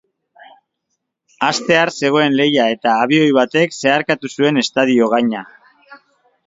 Hastear zegoen lehia eta abioi batek zeharkatu zuen estadio gaina.